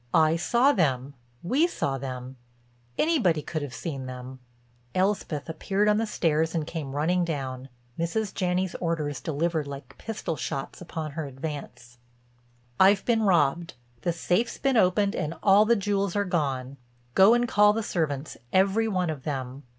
I saw them, we saw them, anybody could have seen them." Elspeth appeared on the stairs and came running down, Mrs. Janney's orders delivered like pistol shots upon her advance: "I've been robbed. The safe's been opened and all the jewels are gone. Go and call the servants, every one of them.